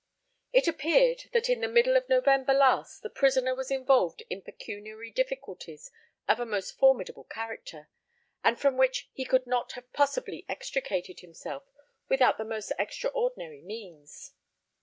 It appeared that in the middle of November last the prisoner was involved in pecuniary difficulties of a most formidable character, and from which he could not have possibly extricated himself without the most extraordinary means.